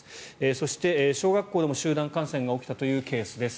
そして、小学校でも集団感染が起きたというケースです。